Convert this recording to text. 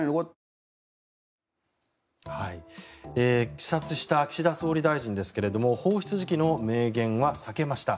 視察した岸田総理大臣ですが放出時期の明言は避けました。